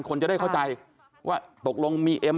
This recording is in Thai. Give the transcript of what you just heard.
คนจะได้เข้าใจว่าตกลงมีเอ็ม